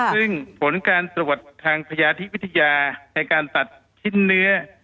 ซึ่งผลการตรวจทางพยาธิวิทยาในการตัดชิ้นเนื้อ